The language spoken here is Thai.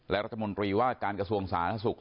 และรัฐมนตรีวาดการกระทรวงสาธาศุกร์